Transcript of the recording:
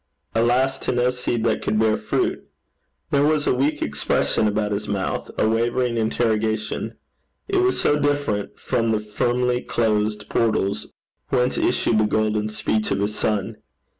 Alas, to no seed that could bear fruit! There was a weak expression about his mouth a wavering interrogation: it was so different from the firmly closed portals whence issued the golden speech of his son!